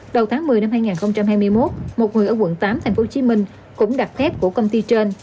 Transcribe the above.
đầu tháng một mươi năm hai nghìn hai mươi một một người ở quận tám tp hcm cũng đặt thép của công ty trên